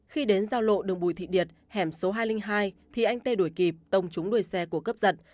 khi đến giao lộ đường bùi thị điệt hẻm số hai trăm linh hai thì anh t đuổi kịp tông trúng đuổi xe của cướp giật